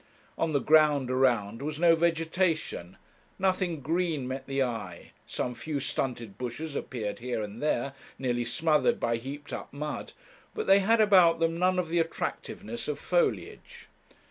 On the ground around was no vegetation; nothing green met the eye, some few stunted bushes appeared here and there, nearly smothered by heaped up mud, but they had about them none of the attractiveness of foliage.